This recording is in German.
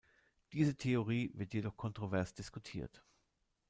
Diese Theorie wird jedoch kontrovers diskutiert.